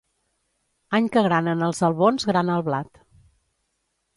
Any que granen els albons, grana el blat.